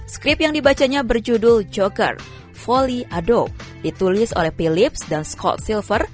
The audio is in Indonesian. skrip yang dibacanya berjudul joker folly adob ditulis oleh phillips dan scott silver